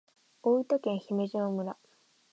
大分県姫島村